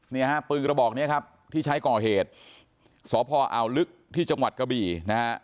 เนี่ยฮะปืนกระบอกเนี้ยครับที่ใช้ก่อเหตุสพอ่าวลึกที่จังหวัดกระบี่นะฮะ